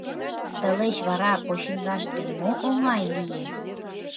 Тылеч вара почиҥгаште мо оҥай лие?